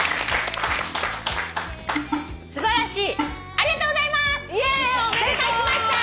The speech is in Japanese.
ありがとうございます！